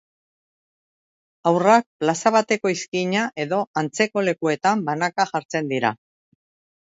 Haurrak plaza bateko izkina edo antzeko lekuetan banaka jartzen dira.